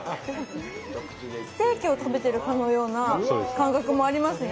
ステーキを食べてるかのような感覚もありますね。